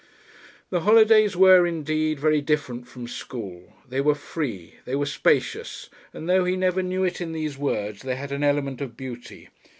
The holidays were indeed very different from school. They were free, they were spacious, and though he never knew it in these words they had an element of beauty.